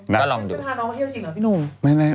พี่พาน้องเที่ยวจริงเหรอพี่นุ่ง